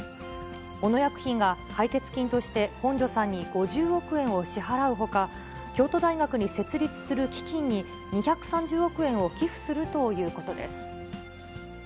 小野薬品が解決金として本庶さんに５０億円を支払うほか、京都大学に設立する基金に２３０億円を寄付するということです。